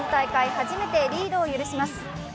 初めてリードを許します。